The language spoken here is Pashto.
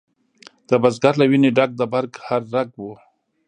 د بزګر له ویني ډک د برګ هر رګ و